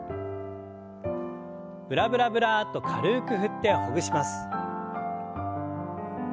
ブラブラブラッと軽く振ってほぐします。